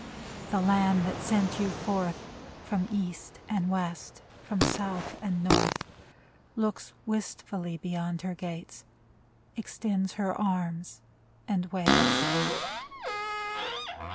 The Land that sent you forth From East and West, from South and North, Looks wistfully beyond her gates. Extends her arms and waits